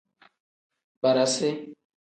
Barasi.